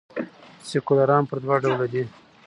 سیکولران پر دوه ډوله دي.